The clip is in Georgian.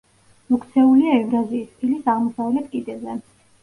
მოქცეულია ევრაზიის ფილის აღმოსავლეთ კიდეზე.